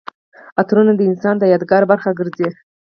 عطرونه د انسان د یادګار برخه ګرځي.